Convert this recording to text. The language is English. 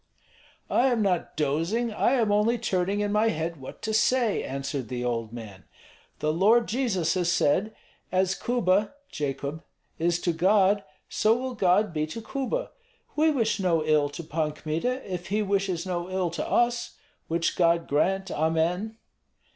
"I am not dozing, I am only turning in my head what to say," answered the old man. "The Lord Jesus has said, 'As Kuba [Jacob] is to God, so will God be to Kuba.' We wish no ill to Pan Kmita, if he wishes no ill to us, which God grant, amen."